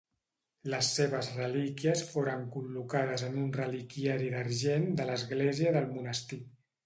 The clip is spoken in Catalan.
Les seves relíquies foren col·locades en un reliquiari d'argent de l'església del monestir.